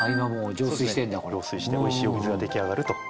浄水しておいしいお水が出来上がると。